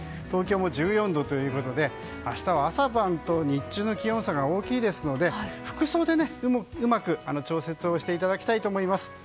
東京も１４度ということで明日は朝晩と日中の気温差が大きいですので、服装でうまく調節をしていただきたいと思います。